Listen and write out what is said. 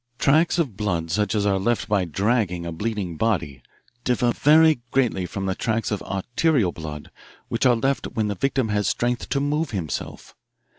"Tracks of blood such as are left by dragging a bleeding body differ very greatly from tracks of arterial blood which are left when the victim has strength to move himself.